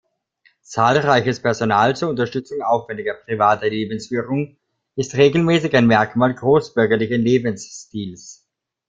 Zahlreiches Personal zur Unterstützung aufwendiger privater Lebensführung ist regelmäßig ein Merkmal großbürgerlichen Lebensstils.